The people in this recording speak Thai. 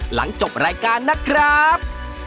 หลังจบรายการนะครับ